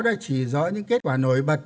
đã chỉ dõi những kết quả nổi bật